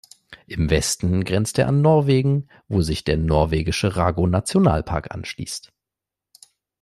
Im Westen grenzt er an Norwegen, wo sich der norwegische Rago-Nationalpark anschließt.